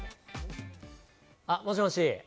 あ、もしもし？